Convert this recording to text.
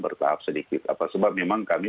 bertahap sedikit apa sebab memang kami